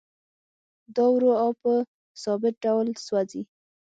دا ورو او په ثابت ډول سوځي